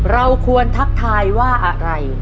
เราควรทักทายว่าอะไร